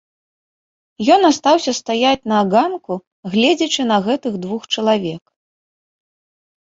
Ён астаўся стаяць на ганку, гледзячы на гэтых двух чалавек.